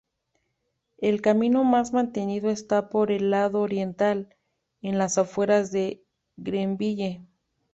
El camino más mantenido esta por el lado oriental, en las afueras de Grenville.